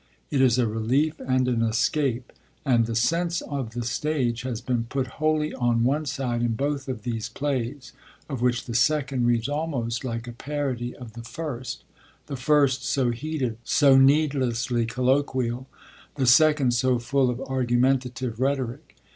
It is a relief and an escape; and the sense of the stage has been put wholly on one side in both of these plays, of which the second reads almost like a parody of the first: the first so heated, so needlessly colloquial, the second so full of argumentative rhetoric.